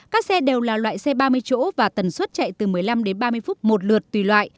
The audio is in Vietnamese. các xe đều là loại xe ba mươi chỗ và tần suất chạy từ một mươi năm đến ba mươi phút một lượt tùy loại